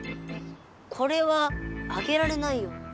これはあげられないよ。